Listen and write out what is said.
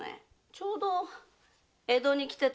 ちょうど江戸に来てた